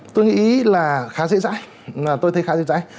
tôi nghĩ là khá dễ dãi mà tôi thấy khá dễ dãi